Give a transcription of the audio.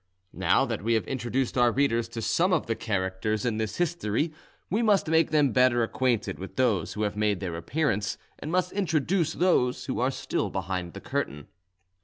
Now that we have introduced our readers to some of the characters in this history, we must make them better acquainted with those who have made their appearance, and must introduce those who are still behind the curtain.